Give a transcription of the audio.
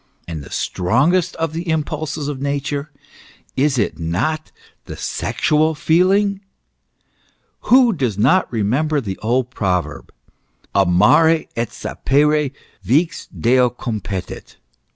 And the strongest of the impulses of Nature, is it not the sexual feeling ? Who does not remember the old pro verb :" Amare et sapere vix Deo competit